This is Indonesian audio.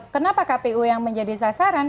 kenapa kpu yang menjadi sasaran